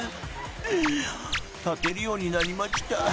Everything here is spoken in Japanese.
［立てるようになりまちた。